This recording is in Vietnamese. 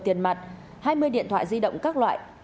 tiền mặt hai mươi điện thoại di động các loại